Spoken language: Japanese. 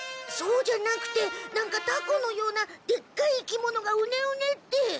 そうじゃなくて何かタコのようなでっかい生き物がウネウネって。